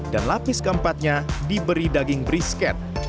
dan lapis keempatnya diberi daging brisket